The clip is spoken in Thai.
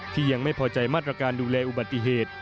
ยังไม่พอใจมาตรการดูแลอุบัติเหตุ